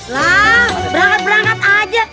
lah berangkat berangkat aja